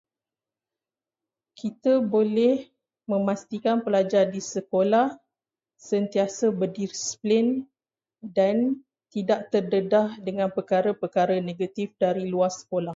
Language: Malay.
Kita boleh memastikan pelajar di sekolah sentiasa berdisiplin dan tidak terdedah dengan perkara-perkara negatif dari luar sekolah.